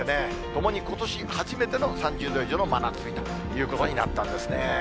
ともにことし初めての３０度以上の真夏日ということになったんですね。